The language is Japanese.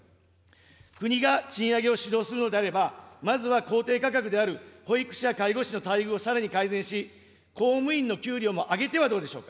国が賃上げを主導するのであれば、まずは公定価格である保育士や介護士の待遇を改善し、公務員の給与も上げてはどうでしょうか。